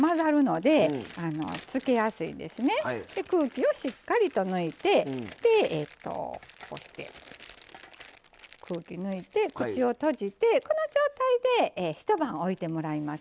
で空気をしっかりと抜いてでこうして空気抜いて口を閉じてこの状態で一晩おいてもらいます。